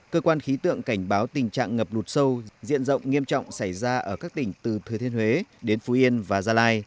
cơ quan khí tượng cảnh báo tình trạng ngập lụt sâu diện rộng nghiêm trọng xảy ra ở các tỉnh từ thừa thiên huế đến phú yên và gia lai